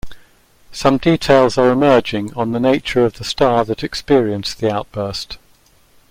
Some details are emerging on the nature of the star that experienced the outburst.